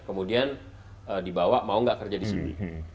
kemudian dibawa mau nggak kerja di sini